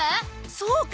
そうか！